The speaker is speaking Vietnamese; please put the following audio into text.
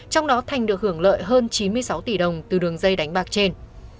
trong đó thành được hưởng lợi hơn chín mươi sáu tỷ đồng từ đường dây đánh bạc trên